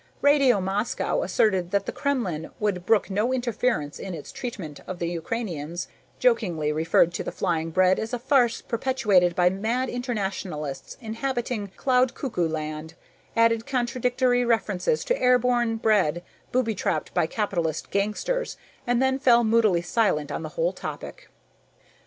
Radio Moscow asserted that the Kremlin would brook no interference in its treatment of the Ukrainians, jokingly referred to the flying bread as a farce perpetrated by mad internationalists inhabiting Cloud Cuckoo Land, added contradictory references to airborne bread booby trapped by Capitalist gangsters, and then fell moodily silent on the whole topic.